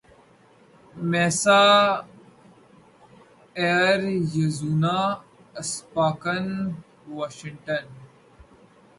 Misa Arizona Spokane Washington